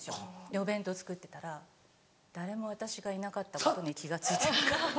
お弁当作ってたら誰も私がいなかったことに気が付いてなかった。